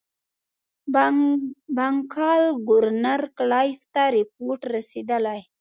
بنکال ګورنر کلایف ته رپوټ رسېدلی.